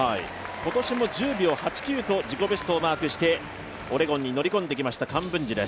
今年も１０秒８９と自己ベストをマークしてオレゴンに乗り込んできました。